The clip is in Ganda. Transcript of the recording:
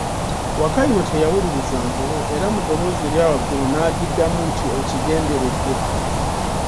Wakayima teyawuliriza nvubu, era mu ddoboozi erya waggulu naagiddamu nti, okigenderedde!